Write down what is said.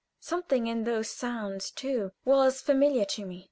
Something in those sounds, too, was familiar to me.